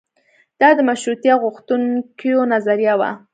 دا د مشروطیه غوښتونکیو نظریه وه.